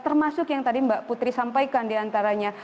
termasuk yang tadi mbak putri sampaikan diantaranya